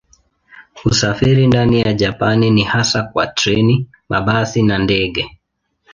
Usafiri ndani ya Japani ni hasa kwa treni, mabasi na ndege.